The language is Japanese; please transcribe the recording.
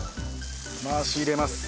回し入れます。